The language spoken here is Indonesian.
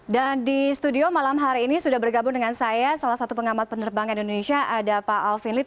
dan di studio malam hari ini sudah bergabung dengan saya salah satu pengamat penerbangan indonesia ada pak alvin lee